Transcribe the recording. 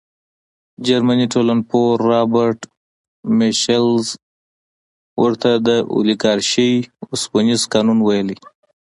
جرمني ټولنپوه رابرټ میشلز ورته د اولیګارشۍ اوسپنیز قانون ویلي.